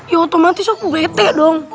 ya otomatis aku ngete dong